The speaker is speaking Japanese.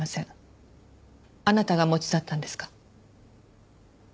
あなたが持ち去ったんですか？